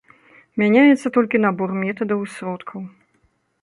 Мяняецца толькі набор метадаў і сродкаў.